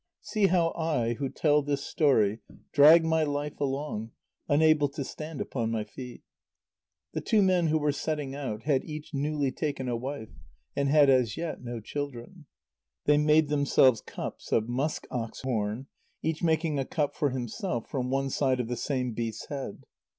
See how I, who tell this story, drag my life along, unable to stand upon my feet. The two men who were setting out had each newly taken a wife, and had as yet no children. They made themselves cups of musk ox horn, each making a cup for himself from one side of the same beast's head.